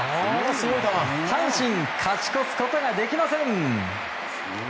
阪神勝ち越すことができません。